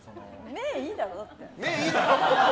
目いいだろ、だって。